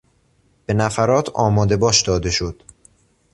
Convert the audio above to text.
به نفرات آمادهباش داده شد.